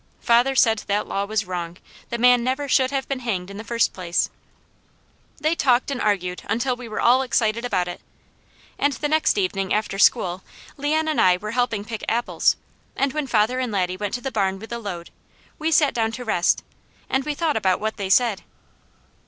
Father said that law was wrong; the man never should have been hanged in the first place. They talked and argued until we were all excited about it, and the next evening after school Leon and I were helping pick apples, and when father and Laddie went to the barn with a load we sat down to rest and we thought about what they said.